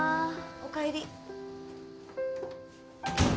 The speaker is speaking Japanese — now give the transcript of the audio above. おかえり。